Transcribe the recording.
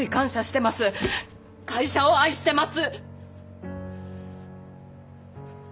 会社を愛してます！